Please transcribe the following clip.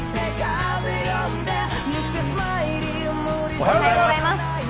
おはようございます。